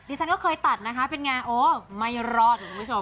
ฉันก็เคยตัดนะคะเป็นไงโอ้ไม่รอดคุณผู้ชม